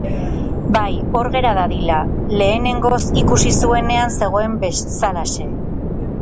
Bai, hor gera dadila, lehenengoz ikusi zuenean zegoen bezalaxe.